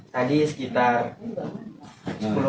tadi sekitar sepuluh menit yang lalu